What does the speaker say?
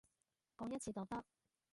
講一次就得